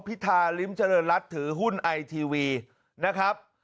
พิธาริมเจริญรัฐถือหุ้นไอทีวีนะครับ